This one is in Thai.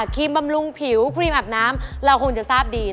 รีมบำรุงผิวครีมอาบน้ำเราคงจะทราบดี